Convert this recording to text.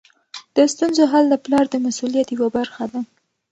د ستونزو حل د پلار د مسؤلیت یوه برخه ده.